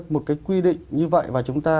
một cái quy định như vậy và chúng ta